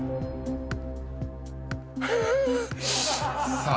［さあ